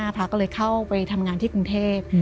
พระก็เลยเข้าไปทำงานที่กรุงเทพ